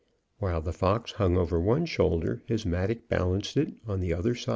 While the fox hung over one shoulder, his mattock balanced it on the other.